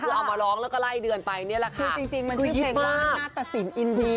เอามาร้องแล้วก็ไล่เดือนไปเนี้ยแหละค่ะคือจริงจริงมันคือเสียงร้านหน้าตัดสินอินเดีย